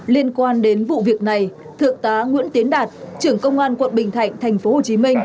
liên quan đến vụ việc này thượng tá nguyễn tiến đạt trưởng công an quận bình thạnh tp hcm